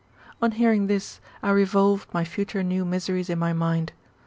On hearing this, I revolved my future new miseries in my mind.